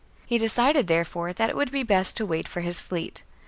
He decided, therefore, that it would be best to wait for his fleet.